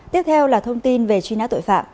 tiếp theo là thông tin về truy nã tội phạm